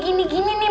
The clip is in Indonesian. mams udah ngasih tau